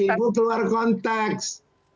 ibu keluar konteks